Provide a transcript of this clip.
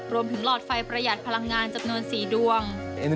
หลอดไฟประหยัดพลังงานจำนวน๔ดวง